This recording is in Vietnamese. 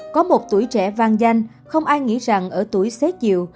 có một tuổi trẻ vang danh không ai nghĩ rằng ở tuổi xếp diệu